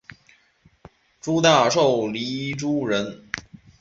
诸大绶漓渚人。